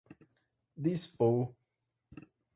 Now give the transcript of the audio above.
dispor